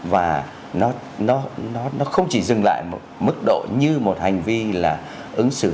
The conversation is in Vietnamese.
và nó không chỉ dừng lại một mức độ như một hành vi là ứng xử